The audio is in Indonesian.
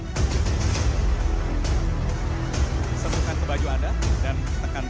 lalu ketua saya pindah mengambil kesahuan pada ompersoner dan kemudian tercepat itu